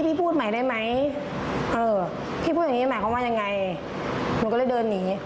พี่พูดใหม่ได้ไหมเออพี่พูดอย่างนี้หมายความว่ายังไงหนูก็เลยเดินหนี